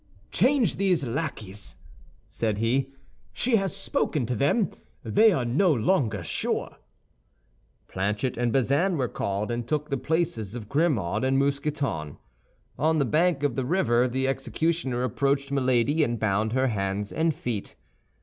"Change these lackeys," said he; "she has spoken to them. They are no longer sure." Planchet and Bazin were called, and took the places of Grimaud and Mousqueton. On the bank of the river the executioner approached Milady, and bound her hands and feet.